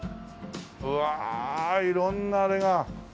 うわ色んなあれが。